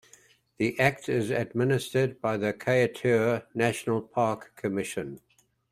The Act is administered by the Kaieteur National Park Commission.